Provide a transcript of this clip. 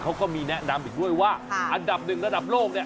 เขาก็มีแนะนำอีกด้วยว่าอันดับหนึ่งระดับโลกเนี่ย